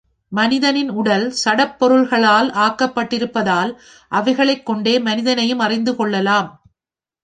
மனிதனின் உடல் சடப்பொருள்களால் ஆக்கப்பட்டிருப்பதால், அவைகளைக் கொண்டே மனிதனையும் அறிந்து கொள்ளலாம்.